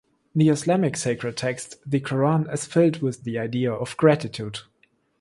The Islamic sacred text, The Quran, is filled with the idea of gratitude.